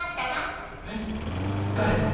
えっ誰？